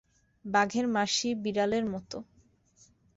বাঘের মাসি বিড়ালের মত।